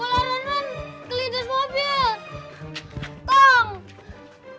bola renan kelihatan mobil